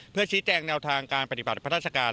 เพื่อชี้แจงแนวทางการปฏิบัติพระราชการ